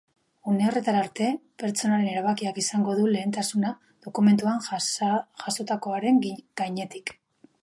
Une horretara arte, pertsonaren erabakiak izango du lehentasuna dokumentuan jasotakoaren gainetik.